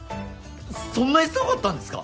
そんなにすごかったんですか！？